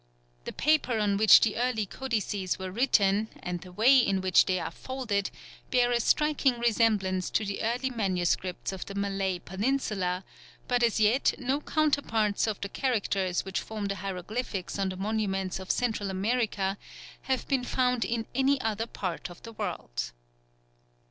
The paper on which the early codices were written and the way in which they are folded bear a striking resemblance to the early manuscripts of the Malay Peninsula, but as yet no counterparts of the characters which form the hieroglyphics on the monuments of Central America have been found in any other part of the world.